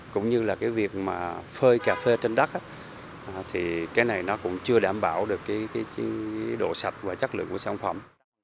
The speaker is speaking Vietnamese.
cũng như việc phơi cà phê trên đất thì cái này nó cũng chưa đảm bảo được độ sạch và chất lượng của sản phẩm